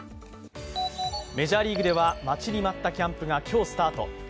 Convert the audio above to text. メジャーリーグでは待ちに待ったキャンプが今日スタート。